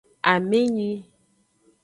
Amenyi.